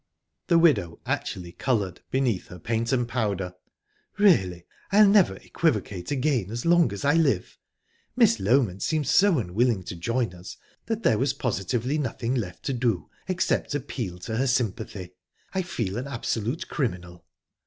The widow actually coloured, beneath her paint and powder. "Really, I'll never equivocate again as long as I live! Miss Loment seemed so unwilling to join us that there was positively nothing left to do except appeal to her sympathy...I feel an absolute criminal."